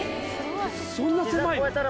そんな狭いの？